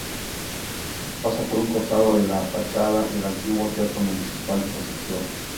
Pasa por un costado de la fachada del Antiguo Teatro Municipal de Concepción.